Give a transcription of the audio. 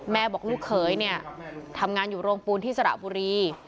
แม่บอกลูกเขยเนี่ยทำงานอยู่โรงปูนที่สระบุรี